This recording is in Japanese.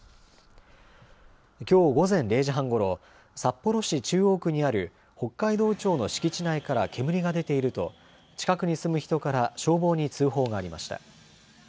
きょう午前０時半ごろ、札幌市中央区にある北海道庁の敷地内から煙が出ていると近くに住む人から消防に通報がありました。